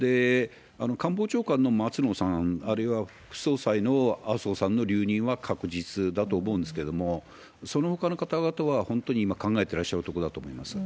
官房長官の松野さん、あるいは副総裁の麻生さんの留任は確実だと思うんですけれども、そのほかの方々は、本当に今、考えてらっしゃるところだと思います。